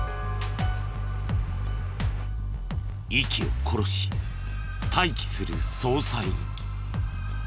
息を殺し待機する捜査員。